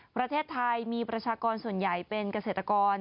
ประเทศไทยมีประชากรส่วนใหญ่เป็นเกษตรกร